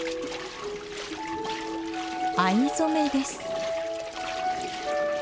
藍染めです。